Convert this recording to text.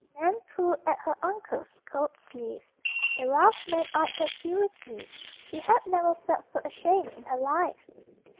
Nan pulled at her uncle's coat sleeve. The rough men eyed her curiously. She had never felt so ashamed in her life.